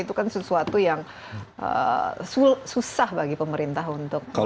itu kan sesuatu yang susah bagi pemerintah untuk